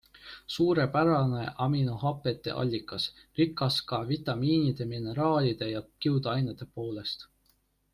Suurepärane aminohapete allikas, rikas ka vitamiinide, mineraalide ja kiudainetepoolest.